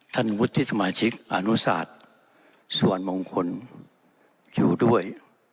ท่านวุฒิธรมาชิกอานุศาสตร์สวรรค์มงคลอยู่ด้วย